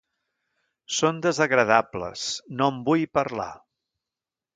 Són desagradables, no en vull parlar.